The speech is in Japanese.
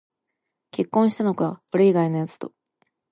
結婚したのか、俺以外のやつと